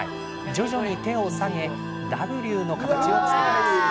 徐々に手を下げＷの形を作ります。